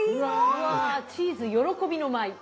うわチーズ喜びの舞い。